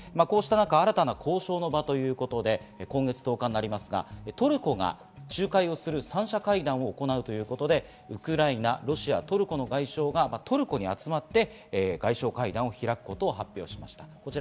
こうしたなか、新たな交渉の場ということで今月１０日になりますが、トルコが仲介をする三者会談を行うということで、ウクライナ、ロシア、トルコの外相がトルコに集まって外相会談を開くことを発表しました。